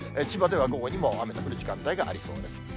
千葉では午後にも雨が降る時間帯がありそうです。